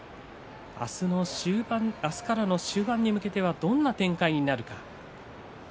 明日からの終盤に向けてはどんな展開になるか。